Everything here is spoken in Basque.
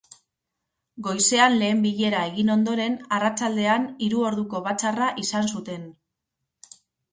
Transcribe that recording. Goizean lehen bilera egin ondoren, arratsaldean hiru orduko batzarra izan zuten.